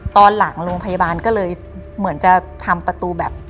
ตอนหลังโรงพยาบาลก็เลยเหมือนจะทำประตูแบบ